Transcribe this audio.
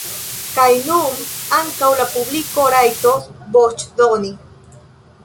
Kaj nun ankaŭ la publiko rajtos voĉdoni.